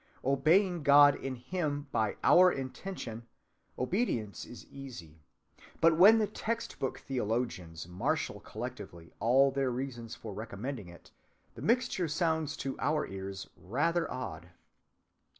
Obeying God in him by our intention, obedience is easy. But when the text‐book theologians marshal collectively all their reasons for recommending it, the mixture sounds to our ears rather odd.